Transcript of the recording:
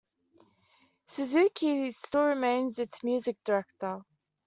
Suzuki still remains its music director.